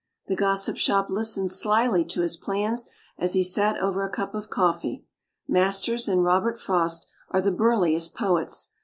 The Gossip Shop listened slyly to his plans as he sat over a cup of coffee. Masters and Robert Frost are the burliest poets.